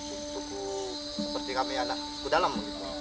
untuk seperti kami anak suku dalam